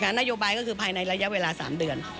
นโยบายก็คือภายในระยะเวลา๓เดือน